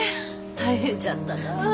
大変じゃったなあ。